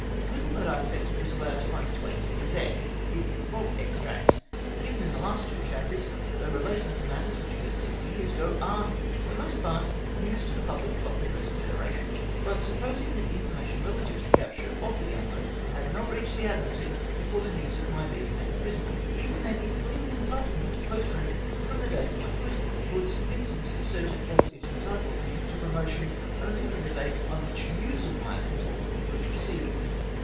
Little that I effected was allowed to find its way mto the Gazette ! Even the log ex tracts given in the two last chapters, though relating to matters which occurred sixty years ago, are, for the most part, news to the public of the present gene ration. But supposmg that information relative to the capture of the Gamo had not reached the Admiralty before the news of my being made prisoner, even then it 144 Ills LORDSHIP'S REASONING A SUETERFUGE. clearly entitled me to post rank from the date of my acquittal. Lord St. Vincent asserted that it entitled me to promotion only from the date on which news of my acqnittal ivas received